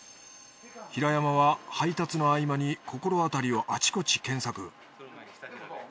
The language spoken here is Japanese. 平山は配達の合間に心当たりをあちこち検索。